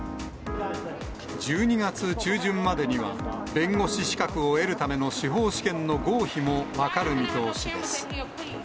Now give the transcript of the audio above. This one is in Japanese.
１２月中旬までには、弁護士資格を得るための司法試験の合否も分かる見通しです。